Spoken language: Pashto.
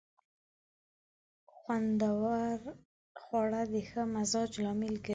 خوندور خواړه د ښه مزاج لامل ګرځي.